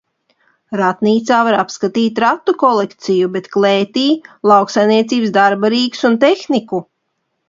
Ratnīcā var apskatīt ratu kolekciju, bet klētī – lauksaimniecības darba rīkus un tehniku.